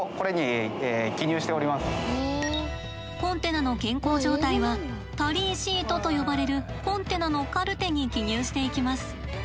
コンテナの健康状態はタリーシートと呼ばれるコンテナのカルテに記入していきます。